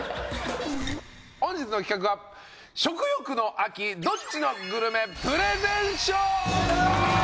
本日の企画は食欲の秋どっちのグルメプレゼンショー！